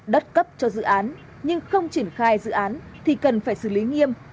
đất cấp cho dự án nhưng không triển khai dự án thì cần phải xử lý nghiêm